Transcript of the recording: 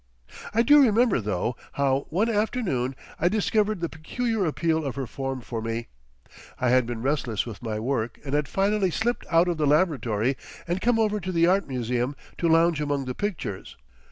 I do remember, though, how one afternoon I discovered the peculiar appeal of her form for me. I had been restless with my work and had finally slipped out of the Laboratory and come over to the Art Museum to lounge among the pictures.